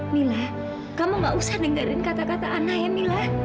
mila kamu gak usah dengerin kata kata aneh mila